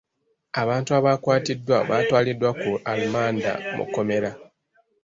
Abantu abaakwatiddwa baatwaliddwa ku alimanda mu kkomera.